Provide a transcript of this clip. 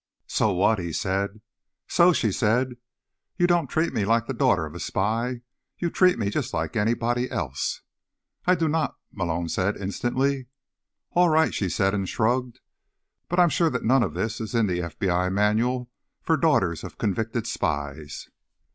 "So what?" he said. "So," she said, "you don't treat me like the daughter of a spy. You treat me just like anybody else." "I do not," Malone said instantly. "All right," she said, and shrugged. "But I'm sure none of this is in the FBI manual for daughters of convicted spies."